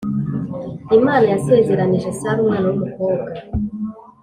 imana yasezeranije sara umwana wumukobwa